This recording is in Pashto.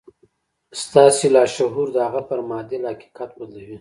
ستاسې لاشعور د هغه پر معادل حقيقت بدلوي.